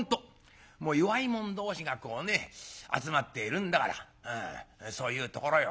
もう弱い者同士がこうね集まっているんだからそういうところよ」